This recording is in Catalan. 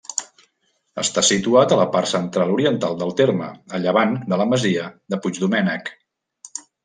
Està situat a la part central-oriental del terme, a llevant de la masia de Puigdomènec.